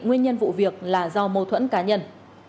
nguyên nhân vụ việc là do mâu thuẫn cá nhân